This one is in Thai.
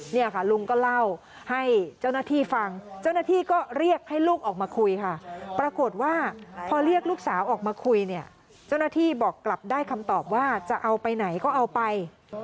เนี่ยค่ะลุงก็เล่าให้เจ้าหน้าที่ฟังเจ้าหน้าที่ก็เรียกให้ลูกออกมาคุยค่ะปรากฏว่าพอเรียกลูกสาวออกมาคุยเนี่ยเจ้าหน้าที่บอกกลับได้คำตอบว่าจะเอาไปไหนก็เอาไป